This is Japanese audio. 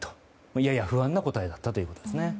やや不安な答えだったということですね。